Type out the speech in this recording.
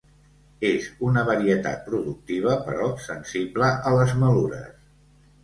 És una varietat productiva però sensible a les malures.